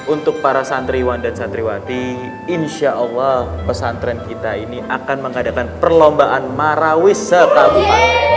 untuk para santriwan dan santriwati insyaallah pesantren kita ini akan mengadakan perlombaan marawis setelah